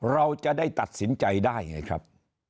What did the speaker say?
เราจะได้ตัดสินใจได้ไงครับ